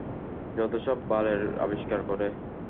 যত্তসব বালের আবিষ্কার করে!